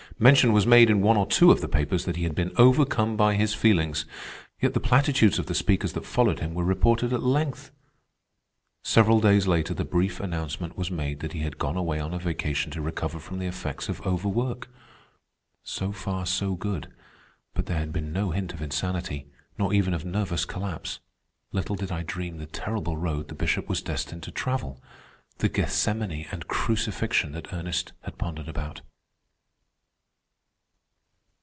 Mention was made in one or two of the papers that he had been overcome by his feelings. Yet the platitudes of the speakers that followed him were reported at length. Several days later the brief announcement was made that he had gone away on a vacation to recover from the effects of overwork. So far so good, but there had been no hint of insanity, nor even of nervous collapse. Little did I dream the terrible road the Bishop was destined to travel—the Gethsemane and crucifixion that Ernest had pondered about.